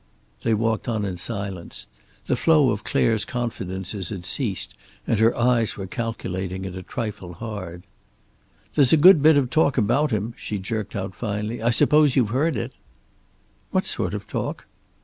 They walked on in silence. The flow of Clare's confidences had ceased, and her eyes were calculating and a trifle hard. "There's a good bit of talk about him," she jerked out finally. "I suppose you've heard it." "What sort of talk?"